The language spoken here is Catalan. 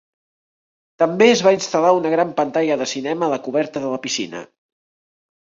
També es va instal·lar una gran pantalla de cinema a la coberta de la piscina.